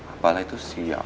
apalah itu si apa